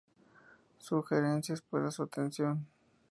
Sugerencias para su atención